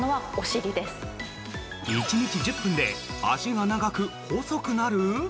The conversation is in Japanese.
１日１０分で足が長く、細くなる！？